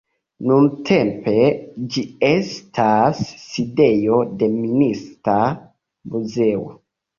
Nuntempe ĝi estas sidejo de Minista muzeo.